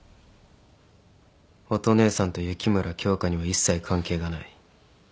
乙姉さんと雪村京花には一切関係がない。